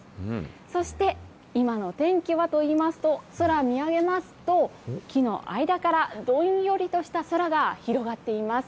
そして、今の天気はといいますと、空見上げますと、木の間から、どんよりとした空が広がっています。